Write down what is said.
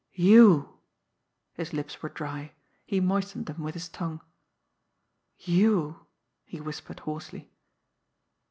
"You!" His lips were dry, he moistened them with his tongue. "You!" he whispered hoarsely.